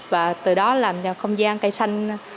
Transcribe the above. và từ đó làm cho không gian cây xanh